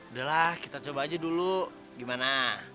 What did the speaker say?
udah lah kita coba aja dulu gimana